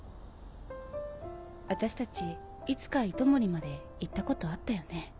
私たちいつか糸守まで行ったことあったよね。